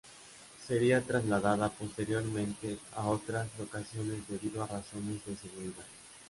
Sería trasladada posteriormente a otras locaciones debido a razones de seguridad.